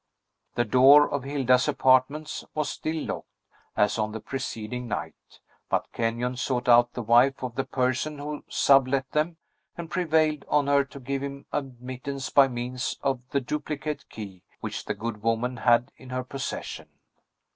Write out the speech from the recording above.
The door of Hilda's apartments was still locked, as on the preceding night; but Kenyon sought out the wife of the person who sublet them, and prevailed on her to give him admittance by means of the duplicate key which the good woman had in her possession.